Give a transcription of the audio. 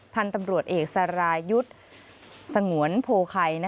พันธุ์ตำรวจเอกสรายุทธ์สงวนโพไข่